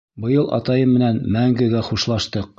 Быйыл атайым менән мәңгегә хушлаштыҡ.